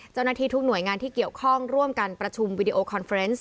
เจ้าหน้าที่ทุกหน่วยงานที่เกี่ยวข้องร่วมกันประชุมวิดีโอคอนเฟรนซ์